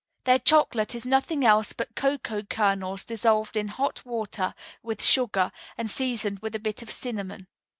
There chocolate is nothing else but cocoa kernels dissolved in hot water, with sugar, and seasoned with a bit of cinnamon.